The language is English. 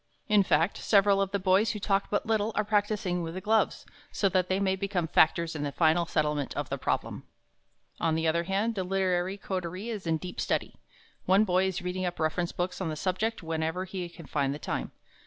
In fact, several of the boys who talk but little, are practising with the gloves, so that they may become factors in the final settlement of the problem. On the other hand, the literary coterie is in deep study. One boy is reading up reference books on the subject whenever he can find the time.